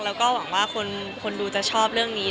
แล้วก็หวังว่าคนดูจะชอบเรื่องนี้